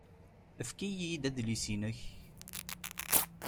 Efk-iyi-d adlis-nnek.